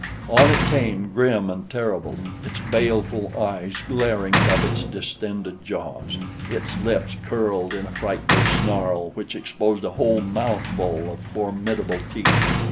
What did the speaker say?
On it came, grim and terrible, its baleful eyes glaring above its distended jaws, its lips curled in a frightful snarl which exposed a whole mouthful of formidable teeth.